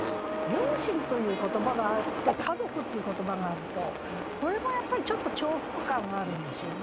「両親」という言葉があって「家族」っていう言葉があるとこれもやっぱりちょっと重複感があるんですよね。